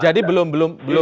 jadi belum belum belum